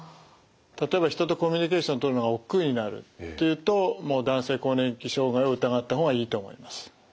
例えば人とコミュニケーションとるのがおっくうになるというともう男性更年期障害を疑った方がいいと思います。